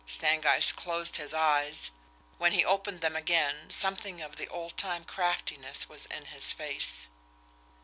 Stangeist closed his eyes. When he opened them again, something of the old time craftiness was in his face.